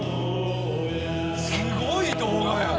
すごい動画やな。